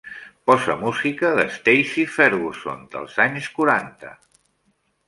Posa música de Stacy Ferguson dels anys quaranta.